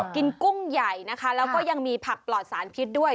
กุ้งใหญ่นะคะแล้วก็ยังมีผักปลอดสารพิษด้วย